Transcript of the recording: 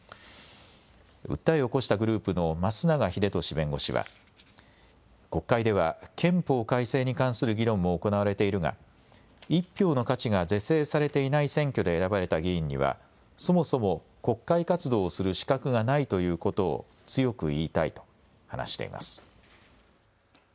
訴えを起こしたグループの升永英俊弁護士は国会では憲法改正に関する議論も行われているが１票の価値が是正されていない選挙で選ばれた議員にはそもそも国会活動をする資格がないということを強く言いたいと話しています。